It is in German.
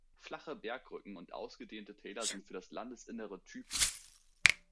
Flache Bergrücken und ausgedehnte Täler sind für das Landesinnere typisch.